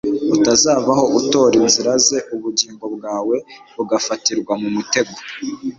utazavaho utora inzira ze ubugingo bwawe bugafatirwa mu mutego